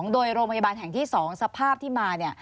โดยโรงพยาบาลแห่งที่๒สภาพที่มาเนี่ย